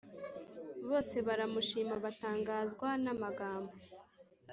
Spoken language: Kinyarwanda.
Bose baramushima batangazwa n amagambo